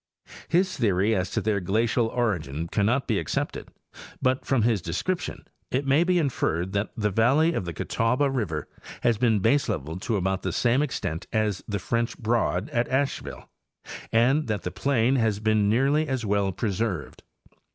His theory as to their glacial origin cannot be accepted, but from his description it may be inferred that the valley of the Catawba river has been baseleveled to about the same extent as the French Broad at Asheville, and that the plain has been nearly as well preserved.